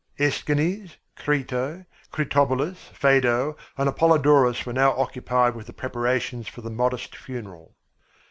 Æschines, Crito, Critobulus, Phædo, and Apollodorus were now occupied with the preparations for the modest funeral.